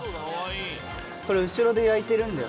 これ後ろで焼いてるんだよ。